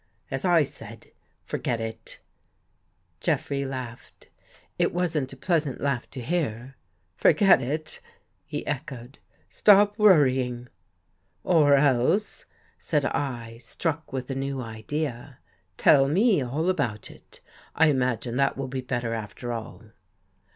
As I said, forget it." Jeffrey laughed. It wasn't a pleasant laugh to hear. " Forget it! " he echoed. " Stop worrying." " Or else," said I, struck with a new idea, " tell me all about it. I imagine that will be better after all."